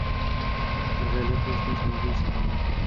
Qarag’aylar to’smas moviy samoni.